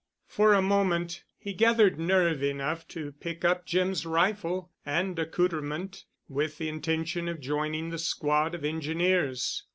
For a moment he gathered nerve enough to pick up Jim's rifle and accoutrement with the intention of joining the squad of engineers.